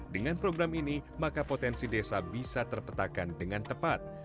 dengan program ini maka potensi desa bisa terpetakan dengan tepat